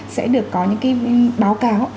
sẽ được có những cái báo cáo